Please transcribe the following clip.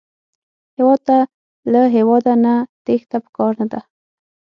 هېواد ته له هېواده نه تېښته پکار نه ده